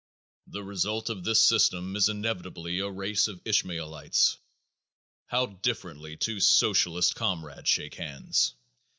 The result of this system is inevitably a race of Ishmaelites. How differently two Socialist comrades shake hands!